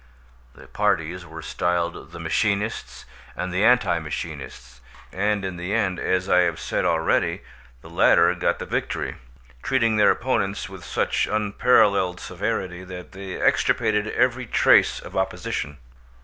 The parties were styled the machinists and the anti machinists, and in the end, as I have said already, the latter got the victory, treating their opponents with such unparalleled severity that they extirpated every trace of opposition.